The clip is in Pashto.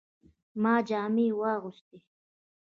ما جامې واغستې